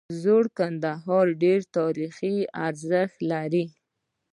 زوړ کندهار ډیر تاریخي ارزښت لري